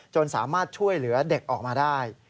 สามารถช่วยเหลือเด็กออกมาได้